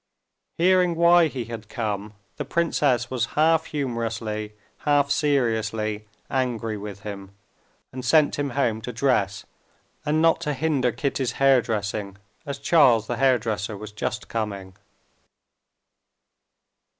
Hearing why he had come, the princess was half humorously, half seriously angry with him, and sent him home to dress and not to hinder Kitty's hair dressing, as Charles the hair dresser was just coming.